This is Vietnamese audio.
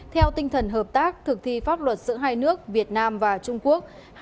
theo tinh thần hợp tác thực thi pháp luật giữa hai nước việt nam và trung quốc